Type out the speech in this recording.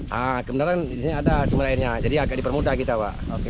haa kebenaran disini ada sumber airnya jadi agak dipermudah kita pak